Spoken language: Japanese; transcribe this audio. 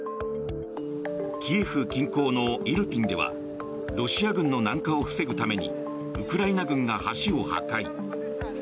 キエフ近郊のイルピンではロシア軍の南下を防ぐためにウクライナ軍が橋を破壊。